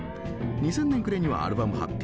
２０００年暮れにはアルバム発表。